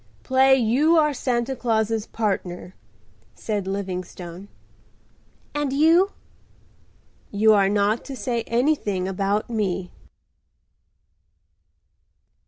Play you are Santa Claus's partner," said Livingstone. "And you?" "You are not to say anything about me."